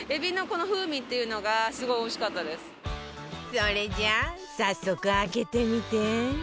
それじゃあ早速開けてみて